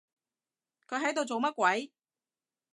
佢喺度做乜鬼？